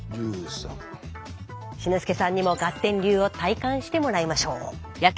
志の輔さんにもガッテン流を体感してもらいましょう。